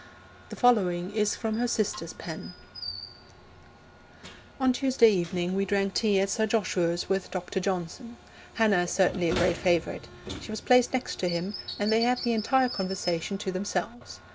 The following is from her sister's pen: On Tuesday evening we drank tea at Sir Joshua's with Dr. Johnson. Hannah is certainly a great favourite. She was placed next him, and they had the entire conversation to themselves.